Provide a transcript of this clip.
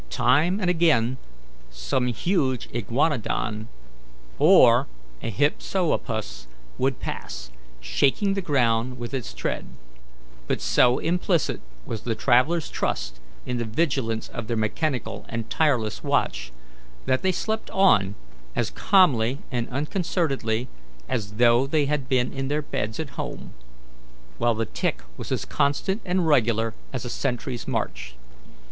Time and again some huge iguanodon or a hipsohopus would pass, shaking the ground with its tread; but so implicit was the travellers' trust in the vigilance of their mechanical and tireless watch, that they slept on as calmly and unconcernedly as though they had been in their beds at home, while the tick was as constant and regular as a sentry's march.